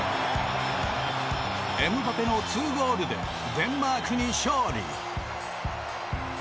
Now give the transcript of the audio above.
エムバペの２ゴールでデンマークに勝利。